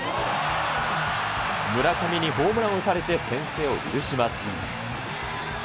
村上にホームランを打たれて、先制を許します。